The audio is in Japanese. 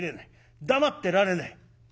黙ってられない。